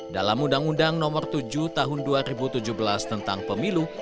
dalam undang undang nomor tujuh tahun dua ribu tujuh belas tentang pemilu